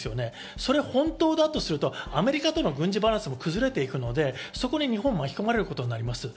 それが本当だとすると、アメリカとの軍事バランスも崩れていくので、日本が巻き込まれることになります。